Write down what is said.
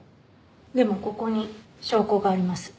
でもここに証拠があります。